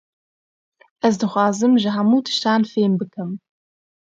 Ez dixwazim, ji hemû tiştan fêhm bikim